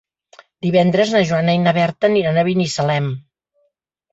Divendres na Joana i na Berta aniran a Binissalem.